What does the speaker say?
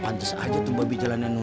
pantes aja tuh babi